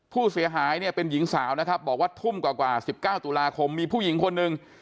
ผู้เสียหายเนี่ยเป็นหญิงสาวนะครับบอกว่าทุ่มกว่า๑๙ตุลาคมมีผู้หญิงคนหนึ่ง